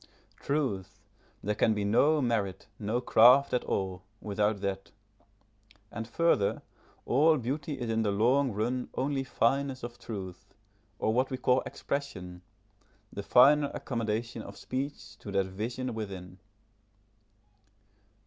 Truth! there can be no merit, no craft at all, without that. And further, all beauty is in the long run only fineness of truth, or what we call expression, the finer accommodation of speech to that vision within.